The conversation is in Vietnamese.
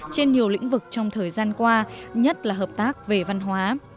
trên nhiều lĩnh vực trong thời gian qua nhất là hợp tác về văn hóa